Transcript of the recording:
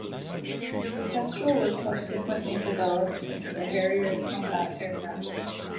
The Kestrel was subsequently developed into the Harrier combat aircraft.